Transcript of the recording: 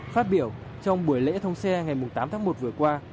phát biểu trong buổi lễ thông xe ngày tám tháng một vừa qua